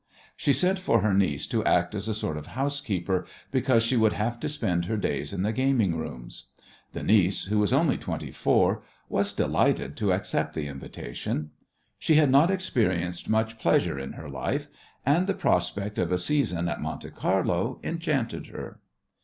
She sent for her niece to act as a sort of housekeeper, because she would have to spend her days in the gaming rooms. The niece, who was only twenty four, was delighted to accept the invitation. She had not experienced much pleasure in her life, and the prospect of a season at Monte Carlo enchanted her.